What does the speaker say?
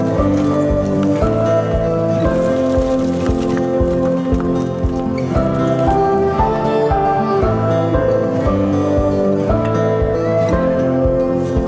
ผู้ช่วยแล้วควรเราอยู่นั่งคือเวลาบิลได้